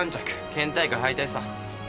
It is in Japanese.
県大会敗退さ。